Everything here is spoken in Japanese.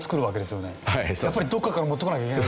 やっぱりどこかから持ってこなきゃいけない。